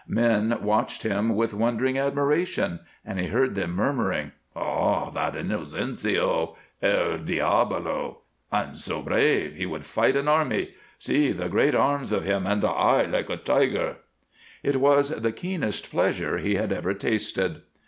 Men watched him with wondering admiration, and he heard them murmuring: "Ah, that Inocencio!" "El diabolo!" "And so brave! He would fight an army." "See the great arms of him, and the eye like a tiger." It was the keenest pleasure he had ever tasted.